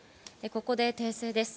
ここで訂正です。